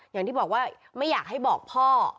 อย่างที่บอกว่าไม่อยากให้บอกพ่อ